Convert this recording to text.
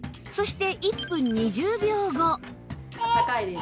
そして１分２０秒後